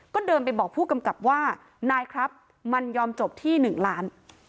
ก็เดินไปบอกผู้กำกับว่านายครับมันยอมจบที่๑ล้าน